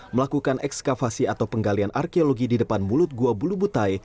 melakukan ekskavasi atau penggalian arkeologi di depan mulut gua bulu butai